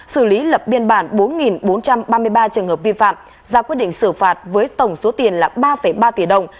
xử lý lập biên bản bốn bốn trăm ba mươi ba trường hợp vi phạm ra quyết định xử phạt với tổng số tiền là ba ba tỷ đồng